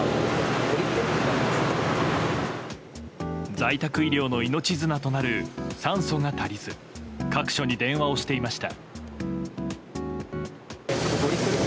在宅医療の命綱となる酸素が足りず各所に電話をしていました。